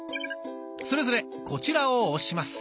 それぞれこちらを押します。